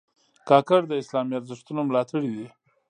کاکړ د اسلامي ارزښتونو ملاتړي دي.